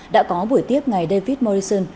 đã có buổi tiếp ngày david morrison